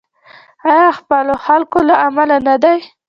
آیا د خپلو خلکو له امله نه دی؟